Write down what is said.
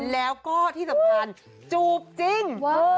แล้วก็ที่สำคัญจูบจริง